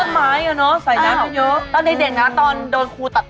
ไม่จริงเหรอ